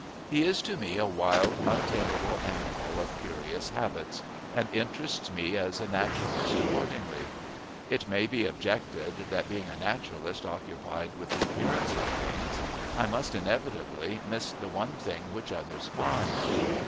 He is to me a wild, untameable animal of curious habits, and interests me as a naturalist accordingly. It may be objected that being a naturalist occupied with the appearance of things, I must inevitably miss the one thing which others find.